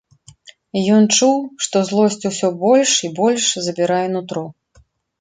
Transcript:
Ён чуў, што злосць усё больш і больш забірае нутро.